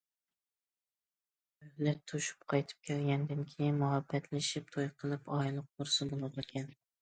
مۆھلەت توشۇپ قايتىپ كەلگەندىن كېيىن مۇھەببەتلىشىپ توي قىلىپ ئائىلە قۇرسا بولىدىكەن.